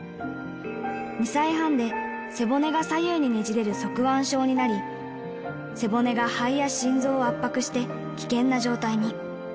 ２歳半で背骨が左右にねじれる側弯症になり、背骨が肺や心臓を圧迫して、危険な状態に。